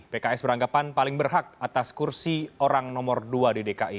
pks beranggapan paling berhak atas kursi orang nomor dua di dki